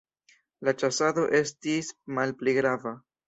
La ĉasado estis malpli grava.